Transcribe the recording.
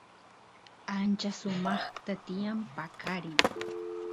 ancha sumaqta tiyan paqarin